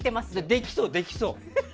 できそう、できそう。